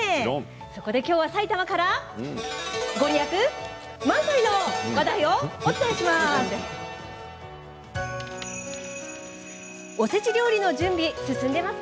そこで、きょうは埼玉から御利益満載の話題をお伝えします。